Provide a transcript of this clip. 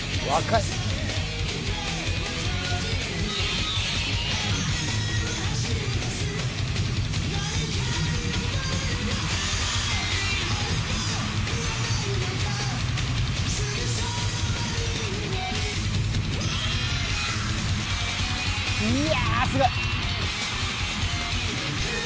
いやすごい。